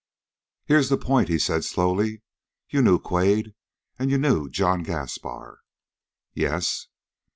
"Here's the point," he said slowly. "You knew Quade, and you knew John Gaspar." "Yes."